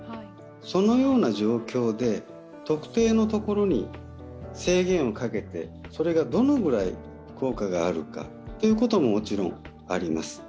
そのような状況で特定の所に制限をかけてそれがどのぐらい効果があるかということも、もちろんあります。